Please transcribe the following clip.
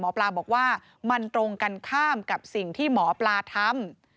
หมอปลาบอกว่ามันตรงกันข้ามกับสิ่งที่หมอปลาทำ